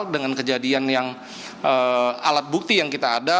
dengan kejadian yang alat bukti yang kita ada